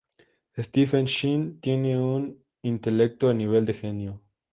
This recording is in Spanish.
Stephen Shin tiene un intelecto a nivel de genio.